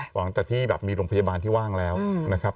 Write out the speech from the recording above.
หลังจากที่แบบมีโรงพยาบาลที่ว่างแล้วนะครับ